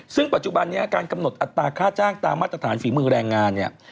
ซึ่งปัจจุบันนี้การกำหนดอัตราค่าจ้างตามมาตรฐานฝีมือแรงงานเนี่ย